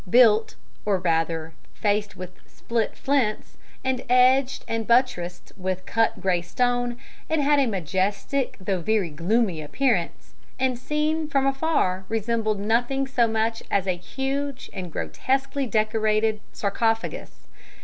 Built, or, rather, faced with split flints, and edged and buttressed with cut grey stone, it had a majestic though very gloomy appearance, and seen from afar resembled nothing so much as a huge and grotesquely decorated sarcophagus.